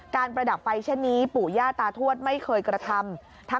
ประดับไฟเช่นนี้ปู่ย่าตาทวดไม่เคยกระทำ